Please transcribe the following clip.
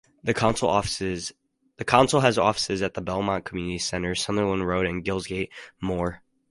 The Council has offices at the Belmont Community Centre, Sunderland Road, Gilesgate Moor.